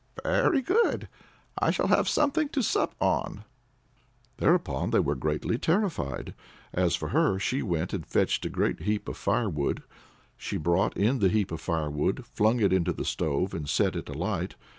"Very good: I shall have something to sup on." Thereupon they were greatly terrified. As for her, she went and fetched a great heap of firewood. She brought in the heap of firewood, flung it into the stove, and set it alight.